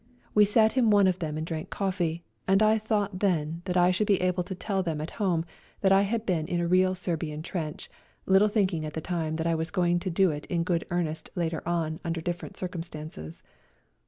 We sat in one of them and drank coffee, and I thought then that I should be able to tell them at home that E2 56 A RIDE TO KALABAC I had been in a real Serbian trench, Httle thinking at the time that I was going to do it in good earnest later on under different circumstances.